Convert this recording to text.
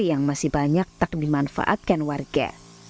yang masih banyak tak dimanfaatkan warga